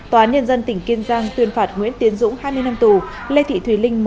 tòa án nhân dân tỉnh kiên giang tuyên phạt nguyễn tiến dũng hai mươi năm tù lê thị thùy linh một mươi tám năm tù